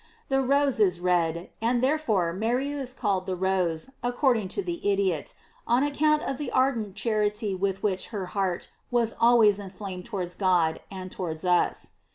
The rose is red ; and therefore Mary is called the rose, according to the Idiot, on account of the ardent chanty with which her heart was always inflamed towards God, and towards us.